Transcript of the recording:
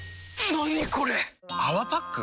何これ⁉「泡パック」？